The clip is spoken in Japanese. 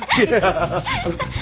ハハハ！